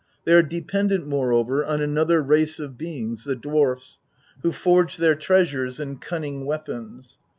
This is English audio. They are dependent, more over, on another race of beings, the dwarfs, who forge their treasures and cunning weapons.